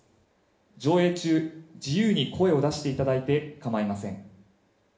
上映中自由に声を出していただいてかまいません